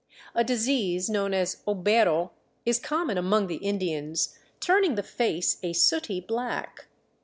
A disease known as " obero " is common among the Indians, turning the face a sooty black.